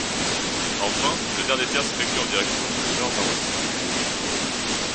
Enfin le dernier tiers s'effectue en direction du nord-nord-ouest.